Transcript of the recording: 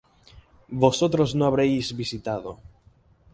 Vosotros no habréis visitado